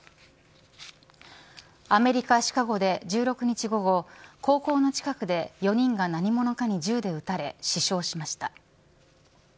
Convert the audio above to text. アメリカ、シカゴで１６日午後高校の近くで４人が何者かに銃で撃たれ死傷しました。